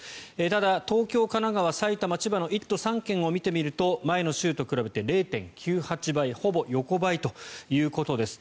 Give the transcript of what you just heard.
ただ東京、神奈川、埼玉、千葉の１都３県を見てみると前の週と比べて１．９８倍ほぼ横ばいということです。